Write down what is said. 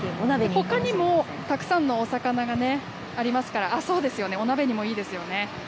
ほかにもたくさんのお魚がありますから、そうですね、お鍋にもいいですよね。